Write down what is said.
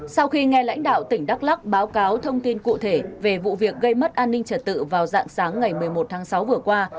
sau khi nghe lãnh đạo tỉnh đắk lắc báo cáo thông tin cụ thể về vụ việc gây mất an ninh trật tự vào dạng sáng ngày một mươi một tháng sáu vừa qua